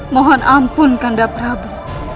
mohon ampun kanda prabu